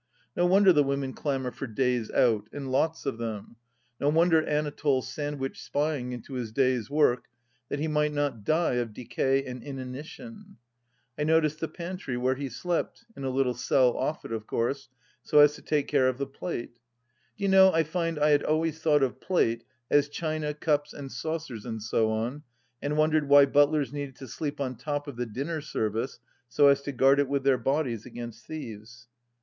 No wonder the women clamour for " days out," and lots of them; no wonder Anatole sandwiched spying into his day's work, that he might not die of decay and inanition ! I noticed the pantry, where he slept — in a little cell off it, of course — so as to take care of the plate. Do you know I find I had always thought of " plate " as china, cups and saucers, and so on, and wondered why butlers needed to sleep on top of the dinner service so as to guard it with their bodies against thieves.